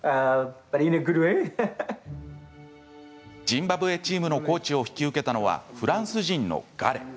ジンバブエチームのコーチを引き受けたのはフランス人のガレ。